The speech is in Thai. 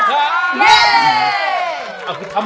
จริ่ม